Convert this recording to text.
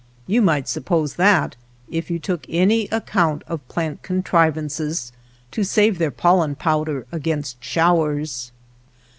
You might suppose that if you took any account of plant contrivances to save their pollen powder against showers.